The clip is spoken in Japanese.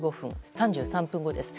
３３分後です。